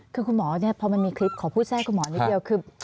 คือคุณหมอเนี่ยพอมันมีคลิปขอพูดแทรกคุณหมอนิดเดียวคือ